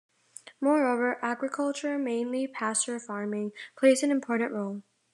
Moreover, agriculture, mainly pasture farming, plays an important role.